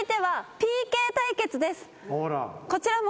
こちらも。